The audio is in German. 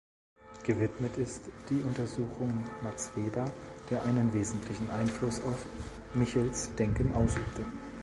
Gewidmet ist die Untersuchung Max Weber, der einen wesentlichen Einfluss auf Michels Denken ausübte.